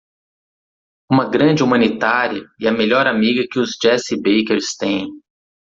Uma grande humanitária e a melhor amiga que os Jessie Bakers têm.